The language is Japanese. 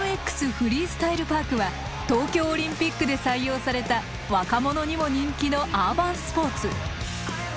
フリースタイルパークは東京オリンピックで採用された若者にも人気のアーバンスポーツ。